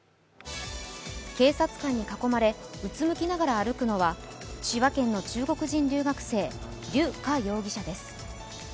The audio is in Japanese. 警察官に囲まれ、うつむきながら歩くのは千葉県の中国人留学生、劉佳容疑者です。